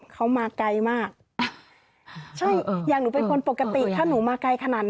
เขามาไกลมากใช่อย่างหนูเป็นคนปกติถ้าหนูมาไกลขนาดนั้น